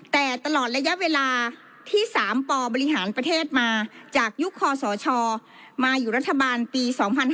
แต่ตลอดระยะเวลาที่๓ปบริหารประเทศมาจากยุคคอสชมาอยู่รัฐบาลปี๒๕๕๙